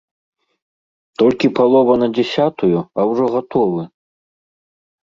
Толькі палова на дзясятую, а ўжо гатовы!